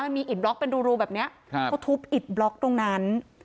มีอิดบล็อกเป็นรูแบบนี้เขาทุบอิดบล็อกตรงนั้น